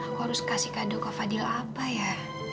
aku harus kasih kado ke fadil apa ya